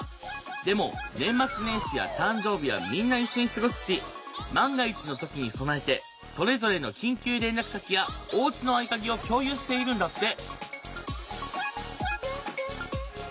でも年末年始や誕生日はみんな一緒に過ごすし万が一の時に備えてそれぞれの緊急連絡先やおうちの合鍵を共有しているんだって。